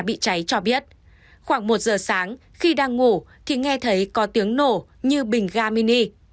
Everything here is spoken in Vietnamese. bị cháy cho biết khoảng một giờ sáng khi đang ngủ thì nghe thấy có tiếng nổ như bình ga mini